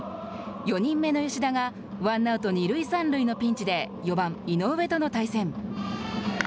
４人目の吉田がワンアウト、二塁三塁のピンチで４番、井上との対戦。